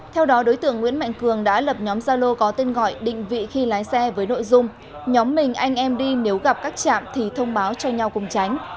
theo đó đối tượng nguyễn mạnh cường đã lập nhóm gia lô có tên gọi định vị khi lái xe với nội dung nhóm mình anh em đi nếu gặp các chạm thì thông báo cho nhau cùng tránh